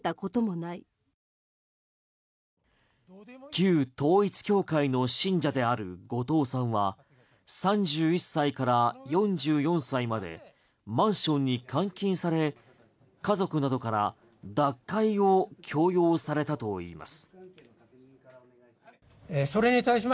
旧統一教会の信者である後藤さんは３１歳から４４歳までマンションに監禁され家族などから脱会を強要されたといいます。